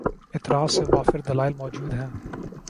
اطراف سے وافر دلائل مو جود ہیں۔